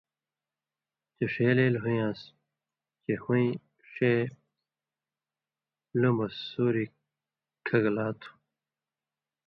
چے ݜے لیل ہُویان٘س چے ہُویں ݜے لومبہۡ سُوریۡ کھگلا تھو۔